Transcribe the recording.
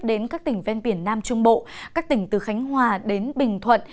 đến các tỉnh ven biển nam trung bộ các tỉnh từ khánh hòa đến bình thuận